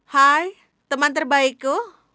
hai teman terbaikku